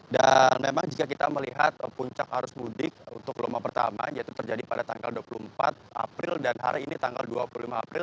dan memang jika kita melihat puncak arus mudik untuk lombang pertama yaitu terjadi pada tanggal dua puluh empat april dan hari ini tanggal dua puluh lima april